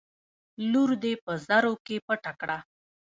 لور دې په زرو کې پټه کړه.